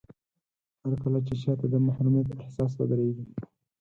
هرکله چې چاته د محروميت احساس ودرېږي.